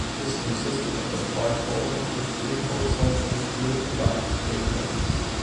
This consisted of a tricolour with three horizontal blue, black and green bands.